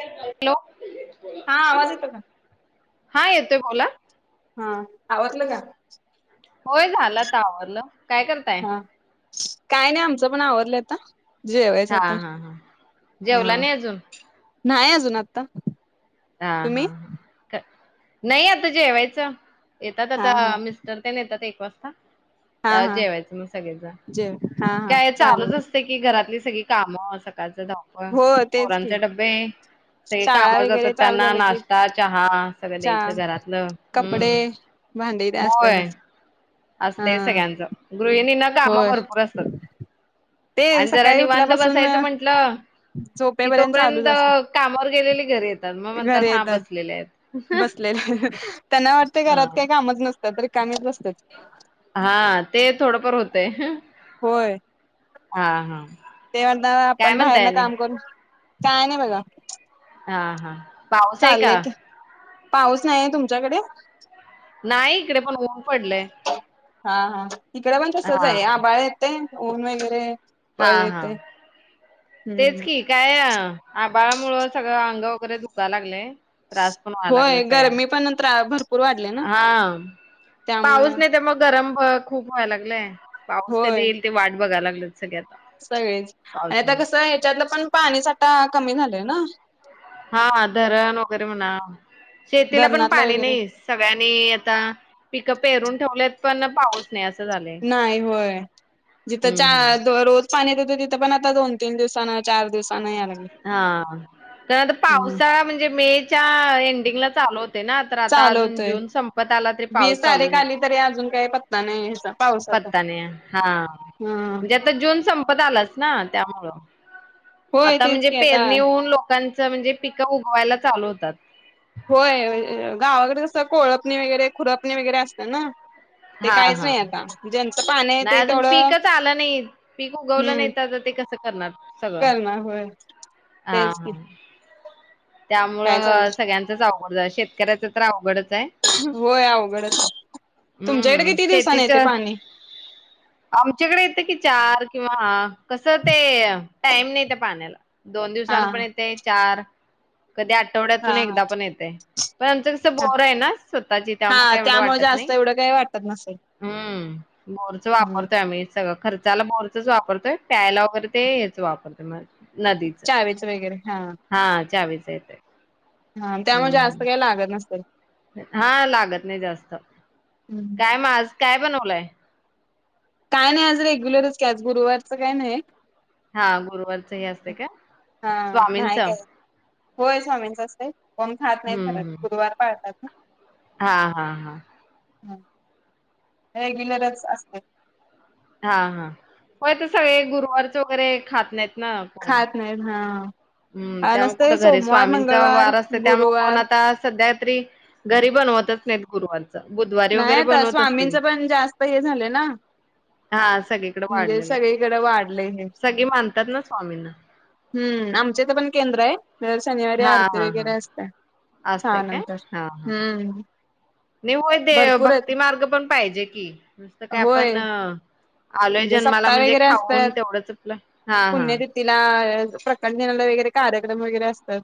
Hello. हा आवाज येतो का? हा येतोय बोला. हा आवरल का? होय झाल आत्ता आवरल. हा काय नाही. आम च पण आवरलय आता. जेवायचं हा आता हा हा. जेवला हा. नाही अजून? नाही अजून आता. ह हा हा तुम्ही क नाही आता जेवायचं. येतात हा हा आता मिस्टर तेन येतात एक वाजता. हा त्यावेळी हा जेवायचं मग सगळीजण. जेव हा हा काय चालेल. चालूच असतय की घरातली सगळी कामं सकाळच. धावपळ, हो तेच की पोरांचे डबे, सगळे शाळा कामावर जातात वगैरे चालू त्यांना झालं की नाश्ता, चहा सगळं चा द्यायचं, घरातलं कपडे हम् भांडी ते होय. असतातच हा असतंय सगळ्यांचं गृहिणींना काम होय. भरपूर असतात. ते आणि जरा सकाळी उठल्या निवांत पासून बसायचं म्हंटलं कि झोपेपर्यंत तोपर्यंत चालूच असते. कामावर गेलेले घरी येतात मग म्हणतात घरी हा येतात, बसलेले आहेत. बसलेले, त्यांना वाटतय अ घरात काय कामच नस नसतात रिकामीच बसत्यात. हा ते थोडंफार होतंय. होय. हा हा. ते म्हणता काय आपण म्हणताय बाहेरनं आणि काम करून काय नाही बघा. हा हा. पाऊस आहे का? चाललंय की पाऊस नाहीे तुमच्याकडे? नाही इकडे पण ऊन पडलंय हा, हा, इकडं पण तसच हा आहे, आबाळ येतय. ऊन वगैरे. हा, पळ हा, येते तेच हम्म की काय आ आबाळामुळं सगळं अंग वगैरे दुकालागलय. होय गरमी पण त्रा भर हा पाऊस त्यामुळं नाही त्यामुळं गरम खूप व्हाय लागलंय. पाऊस कधी होय येईल ते वाट बघा लागलोय. सगळेच आणि आता कसं हेच्यातलं पण पाणीसाठा कमी झालंय ना. हा धरण वगैरे म्हणा. शेतीला पण धरणातला पाणी वगैरे नई, सगळ्यांनी आता पिकं पेरून ठेवलेत. पण पाऊस नाही असं झालंय. नाही होय. जिथं चा हम्म हम्म. दरोज मी पण देतो तिथे पण आता दोन-तीन दिवसांन चार दिवसांन हा. तर हम्म पावसाळा म्हणजे मे च्या एंडिंगला चालू होत ना. तर आता चालू अजून होतय जून संपत आला तरी पाऊस चालू नई. काय पत्ता नई ह्याचा. पावसाचा पत्ता नई हा. हा म्हणजे आता जून संपत आलाच ना. त्यामुळं. होय आता तेच म्हणजे की आता पेरणी होऊन लोकां म्हणजे पिकं उगवायला चालू होतात. होय गावाकड कसं कोळपणी वगैरे, खुरपणी वगैरे असते ना. ते हा कायच हा नई आता. जेंच नाही अजून पीकच आलं नाही, पीक उगवलं नाही, आता ते कस करणार. सगळं. करमा होय हा तेच की हा काय त्यामुळं चाललं सगळ्यांचच अव शेतकऱ्याचं तर अवडच आहे होय अवघडच तुमच्याकडे हम्म किती दिवसाांनी शेतीच येते पाणी आमच्याकडे येतं कि चार किंवा कसं ते टाइम नाही त्या पाण्याला दोन हा दिवसन पण येते चार कधी हा आठवड्यातून एकदा पण येतय पण आमचं कस हा बोर आहे ना स्वतःची ते्हा का हा एवढं त्यामुळे वाटत जास्त नाही एवढं काही वाटत नसेल हम्म बोरच हम्म, वापरतोय आम्ही सगळं खर्च त्याला बरचच वापरतोय प्यायला वगैरे ते हेच वापरतो नदीच चावीच वगैरे हा चावी [unintelligible] हा त्यामुळे जास्त काही लागत नस हा लागत नाही जास्त हम्म, काय म आज काय बनवलंय. काय नाही आज रेग्युलरच क आज गुरुवारचं काय नाही. हा गुरुवारचं ह असते का हा नाही स्वामींचं? काय होय स्वामींचं असते कोण खात नाही हं, खरात हं. गुरुवार पाळतात ना हां, हां, हां. [unintelligible] रेग्युलरच असते हा हा होय तर सगळे गुरुवारचे वगैरे खात नाही ना कोण खात नाहीत हा हम्म आणि त्यामुळ नसते कुठे घरी सोमवार स्वामींचा मंगळवार वार असतोय त्यामुळ कोण गुरुवार आता सध्या तरी घरी बनवतच नाही गुरुवारी. नाही आता स्वामींच पण जास्त हे झालं ना हां, सगळीकडे म्हणजे वाढलेलं आहे. सगळीकड वाढलय हे सगळी मानतात ना स्वामींना. हम्म आमचे तर पण केंद्र ये. तर शनिवारी हां, आरती हां, हां. वगैरे असत असत्या सहा असतंय नंतर हम्म नी होय ते भरपूर आहेत भक्ती मार्ग पण पाहिजे कि नसत काय होय आपण आलोय म्हणजे जन्माला सप्ताह म्हणजे वगैरे खाऊन असतात तेवढंच आपलं हा हा पुण्यतिथीला प्रकट दिनाला वगैरे कार्यक्रम वगैरे असतात.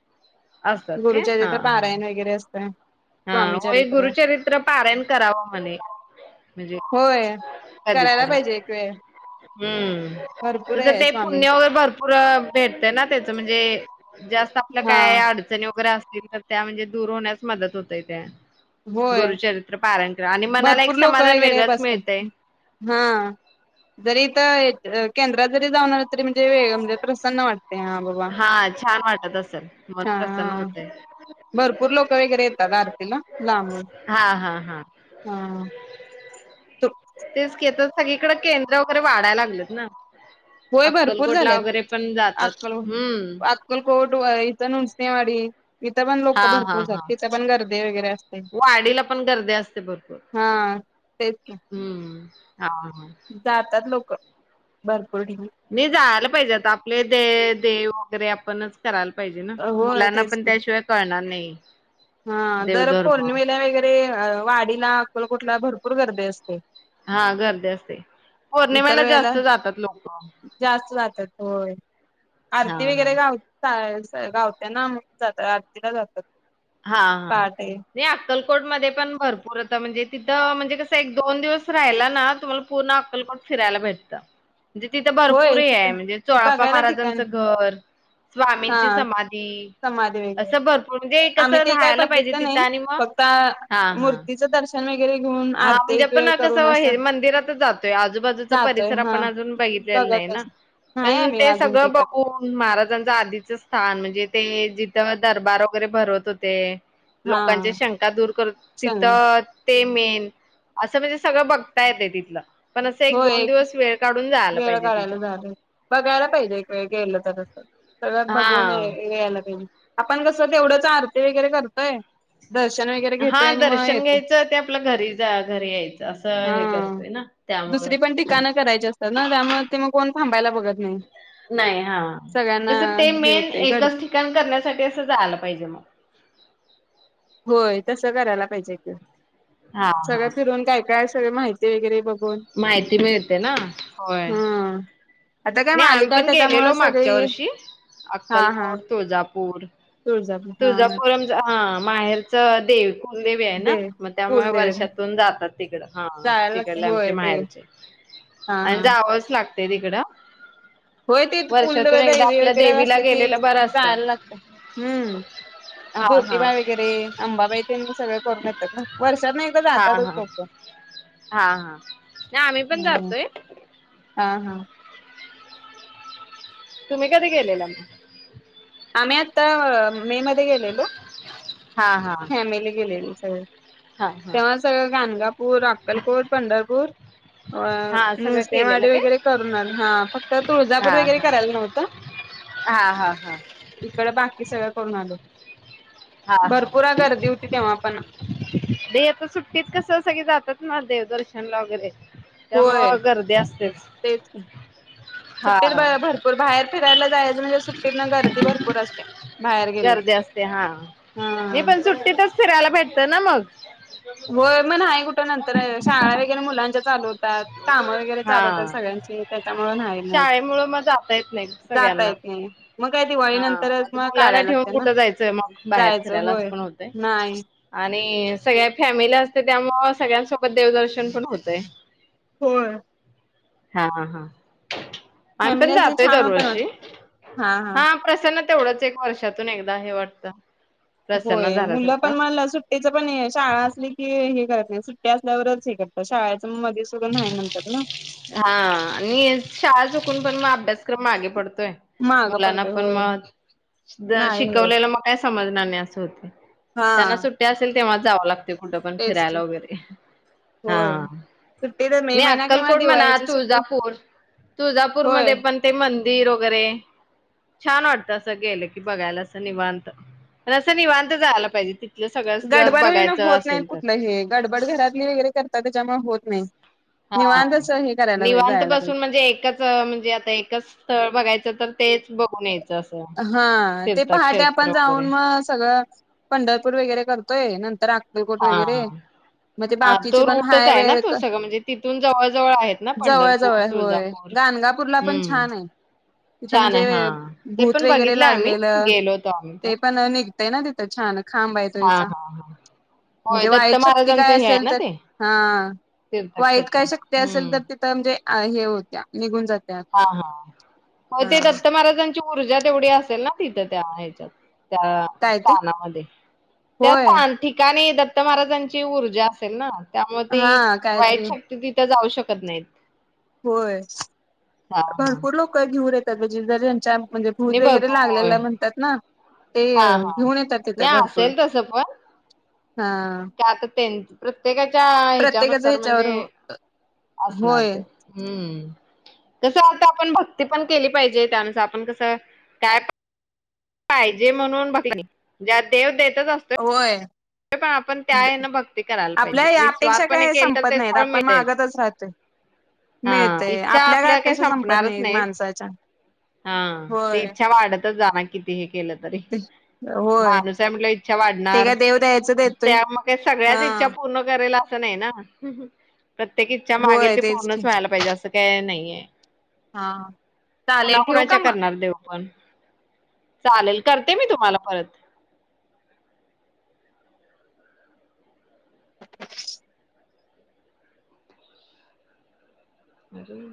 असतात काय गुरुच्या हा तिथ हा पारायण वगैरे असतं स्वामी होय चरित्र गुरुचरित्र पारायण करावं म्हणे म्हणजे होय करायला कधीतरी पाहिजे एक वेळ हम्म. भरपूर तसं आहे ते स्वामींच पुण्य भरपूर भेटतय ना त्याच म्हणजे जास्त आपलं हा काय अडचणी वगैरे अस त्या म्हणजे दूर होण्यास मदत होतय त्या होय गुरुचरित्र पारायण कर आणि मनाला एक भरपूर लोक समाधान वगैरे वेगळंच बसतात. मिळतय. हा जरी इथ केंद्रात जरी जाऊन आलात. तरी म्हणजे वेग म्हणजे, प्रसन्न वाटत, हा बाबा हा छान वाटत असेल मन प्रसन्न छान होतय भरपूर लोक वगैरे येतात आरतीला. लांबून हा, हा, हा. तू. तेच की आता सगळीकड केंद्र वगैरे वाढायला लागलेत ना. होय भरपूर अक्कलकोटला झालेत, वगैरे पण जातात हम्म अकलकोट. इथन उंचनेवाडी. तिथं पण लोक हा हा भरपूर हा जातात, तिथं पण गर्दी वगैरे असते. वाडीला पण गर्दी असते भरपूर हा. तेच की हम्म. हा, हा. जातात लोक, भर मी जायला पाहिजे, आता आपले ते देव. वगैरे आपणच कराल. पाहिजे ना, होय मुलांना तेच पण की त्याशिवाय कळणार नाही. [inaudible] दर देवधर्म पौर्णिमेला वगैरे वाडीला अक्कलकोटला भरपूर गर्दी असते. हा गर्दी असते, इतर पौर्णिमेला वेळेला जास्त जातात लोक. जास्त जातात होय. हा आरती हा वगैरे गावत्या. गावत्याना जात आरतीला जातात. हा, हा, पहाटे नाही अक्कल अकलकोट मध्ये पण भरपूर आता म्हणजे, तिथं म्हणजे कसं एक दोन दिवस राहिला ना, तुम्हाला पूर्ण अक्कलकोट फिरायला भेटत. म्हणजे तिथं भरपूर होय हे आहे. तिथं म्हणजे चोळाप्पा बघायला ठिकाण महाराजांचं घर. हा स्वामींची समाधी, समाधी वगैरे असं भरपूर म्हणजे. आम्ही कसं ते काय राहायला पाहिजे बघितलं तिथं नाही आणि मग, फक्त हा, हा, मूर्तीचं दर्शन वगैरे घेऊन हा आरती म्हणजे एक पण वेळ कस करून असं हे मंदिरातच जातोय आजूबाजूचा जातोय परिसर हा आपण अजून बघितलेला नाही ना, बघतच नाही पण आम्ही ते अजून सगळं काय बघून महाराजांच आधीच स्थान म्हणजे ते जिथं दरबार वगैरे भरवत होते. ते. हा लोकांच्या शंका दूर कर सांग तिथं ते मेन असं म्हणजे, सगळं बघता येते तिथलं. पण असं होय दोन एक दिवस वेळ काढून जायला वेळ पाहिजे तिथं. काढायला झालंय बघायला पाहिजे एक वेळ गेलं तर तसं सगळं बघून या हा. यायला पाहिजे आपण कसं तेवढंच आरती वगैरे करतोय दर्शन वगैरे हा घेतोय आणि मग दर्शन येतो घ्यायचं ते आपल्या घरी जा घरी यायचं असं हा हे करतोय ना त्यामुळं. दुसरी पण ठिकाणं करायची असतात ना त्यामुळे, ते मग कोण थांबायला बघत नाही नाही हा सगळ्यांना तस ते हे मेन होते गड एकच ठिकाण करण्यासाठी असं जायला पाहिजे मग. होय तसं करायला पाहिजेेत. हा सगळं हा फिरून काय काय सगळ माहिती ते वगैर [unintelligible] माहिती मिळते ना, होय. हा आता काय नाही आम्ही मालिका आहे पण गेलेलो त्याच्यामुळे मागच्या सगळी वर्षी हा हा अक्कलकोट तुळजापूर, तुळजापूर हा तुळजापूरम हा माहेरच देव कुलदेवी आहे ना, दे मग त्यामुळे कुलदेवे वर्षातून जातात तिकड हा जायला लागते तिकडले आमचे होय ते माहेरचे हा आणि हा जावंच लागत तेदीकड [unintelligible] होय ते फुलदवे आपल्या वगैरे देवीला असले, की गेलेलं बरं असतं. जायला लागत, हम्म हा हा. ज्योतिबाई वगैरे, अंबाबाई त्यां सगळं वर्षातन एकदा हा जातातच हा लोकं. हा हा नाही आम्ही पण ह्. जातोय हा हा. तुम्ही कधी गेलेला? आम्ही आता मे मध्ये गेलेलो, हा हा फॅमिली गेलेली. हम. हा हा तेव्हा सगळं गाणगापूर, अक्कलकोट, पंढरपूर, हा सगळं केलेलं नरसोबावाडी काय? वगैरे करून आलो, हा फक्त तुळजापूर हा वगैरे हा करायला नव्हतं. हा हा हा इकड बाकी सगळ करून आलो हा हा भरपूर गर्दी होती तेव्हा पण दे आता, सुट्टीत कस सगळे जातात ह देवदर्शन ला वगैरे होय त्यामुळं गर्दी असतेच. तेच हा सुट्टीत हा बाहेर भरपूर बाहेर फिरायला जायचं म्हणजे सुट्टीत ना गर्दी भरपूर असते, बाहेर गेलं कि. गर्दी असते हा मी पण सुट्टीतच फिरायला भेटत न मग होय मण आहे कुठं नंतर शाळा वगैरे मुलांच्या चाल काम वगैरे चालवतात सगळ्यां त्याच्या शाळे मुळं मग जाता येत नाही जाता सगळ्यांना. येत नाही. मग काय दिवाळी हा नंतरच मग मुलांना काढायला ठेवून लागते ना कुठं जायचंय मग बाहेर जायचं फिरायला असं होय. पण होतय. नाही आणि सगळ्या फॅमिली असते त्यामु सगळ्यांसोबत देवदर्शन पण होतय. हो हा हा हा आम्ही हम पण जैसे जातोय छान पण वाटते. असं ना तेवढंच एक वर्षातून एकदा हे वाटतं. प्रसन्न होय मुलं झाल्यासारखं पण म्हणलं सुट्टेच पण शाळा असली की हे करते सुट्ट असल्यावरचत शा हा आणि शाळा चू पण अभ्यासक्रम मागे पडतो. मागं मुलांना पडतोय पण होय म नाही होत शिकवलेलं मग का समजणार नाही अस हो त्यांना हा. सुट्ट्या असेल. तेव्हा जावं लागते. ते कुठं पण तेच की फिरायला वगैरे होय हा! सुट्टी तर मे नाही महिना किंवा अक्कलकोट म्हणा दिवाळीची सुट्टी तुळजापूर तुळजापूर होय मध्ये पण ते, मंदिर वगैरे छान वाटत अस गेलं की बघायला अस निवांत प अस निवांत जायला पाहिजे. तिथलं सगळं जर गडबड हेन बघायचं नाहीत असेल तर कुठलं हि गडबड घरातली वगैरे करतात त्याच्यामुळे हो नाही हा निवांत असं हे करायला पाहिजे निवांत जायला बसून पाहिजे म्हणजे, एकच म्हणजे आता एकच स्थळ बघायचं तर, तेच बघूूनेत हा ते पहाटे आपण वगैरे. जाऊन मग सगळं पंढरपूर वगैरे करतोय नंतर अक्कलकोट हा वगैरे मग ते हा तो बाकीचे पण रूटच हाय आहे ना वेळ तू सगळं म्हणजे, तिथून जवळ जवळ आहेत ना जवळ पंढरपूर, जवळ होय तुळजापूर गाणगापूरला पण हम्म छान आहे तिथं छान आहे. हा! म्हणजे भूत वगैरे लागलेलं ते पण निघतय ना तिथ [inaudible] खांब आहे हां, त्यांचा हां, हां. होय, म्हणजे दत्त वाईट शक्ती महाराजांचं काय हे आहे असेल ना तर ते हा वाईट तीर्थक्षेत्र. काय शक्ती असेल हं. तर तिथं म्हणजे, अ हे होत्या निघून जातात. हा हा हो ते दत्त महाराजां ची ऊर्जा तेवढी असेल ना! तिथं त्या ह्याच्यात त्या काय ते स्थानामध्ये त्या होय स्थान ठिकाणी आता महाराजांची ऊर्जा असेल ना? त्यामुळे हा ती वाईट कायतरी शक्ती तिथे जाऊन शकते. शकत नाहीत. होय. हा हा भरपूर लोक घेऊन जिलदार यांच्या [unintelligible] म्हणजे नाही भूत वगैरे भरपूर होय लागलेला म्हणतात, ना ते हा हा घेऊन येतात तिथे नाही भरपूर. असेल तसं पण हा आता प्रत्येकाच्या प्रत्येकाच ह्याच्यानुसार ह्याच्यावर म्हणजे असणार होय. ते, हम्म. कसं आता आपण भक्ती पण केली पाहिजे, त्यानुसार आपण कसं काय. पाहिजे म्हणून [unintelligible] ज्या देव देत होय. पण आपण त्या हना भक्ती करायला पाहिजे, आपल्या या अपेक्षा निस्वारपणे काय केल तर संपत ते नाहीत फळ आपण मिळते, मागतच राहतोय. हा मिळतय इच्छा काय आपल्या काही अपेक्षा संपत संपणारच नाही नाहीत माणसाच्या. हा, ते होय. इच्छा वाढत जा किती हे [unintelligible] केलं तरी होय माणूस आहे म्हटल्यावर इच्छा ते वाढणार. काय देव द्यायचं देतोय. त्यामध्येग सगळ्याच हा. इच्छा पूर्ण करायला. नाही ना. प्रत्येक इच्छा मागेल होय ती तेच पूर्णच व्हायला पाहिजे असं काही नाहीये. हा चालेल, ठेऊ का कुणाकुणाच्या मग? करणार देव पण. चालेल, करते मी तुम्हाला परत. [unintelligible] [unintelligible]